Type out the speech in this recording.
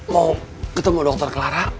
mau ketemu dokter klara